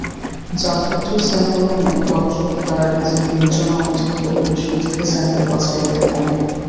Judgmental sampling এ গবেষক তার নিজের বিবেচনা অনুযায়ী পপুলেশন থেকে স্যাম্পল বাছাই করে থাকে।